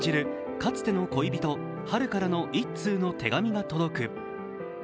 かつての恋人・春からの１通の手紙が届く。